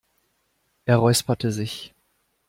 Er räusperte sich.